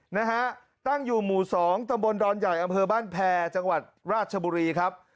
นะฮะตั้งอยู่หมู่สองตำบลดอนใหญ่อำเภอบ้านแพรจังหวัดราชบุรีครับ